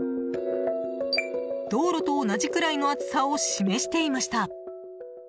道路と同じくらいの熱さを示していました。